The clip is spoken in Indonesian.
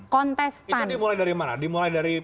kontes itu dimulai dari mana dimulai dari